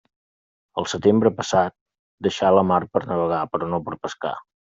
El setembre passat, deixa la mar per navegar però no per pescar.